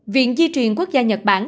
viện di truyền quốc gia nhật bản